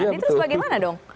terus bagaimana dong